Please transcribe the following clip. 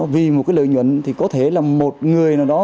vì một cái lợi nhuận thì có thể là một người nào đó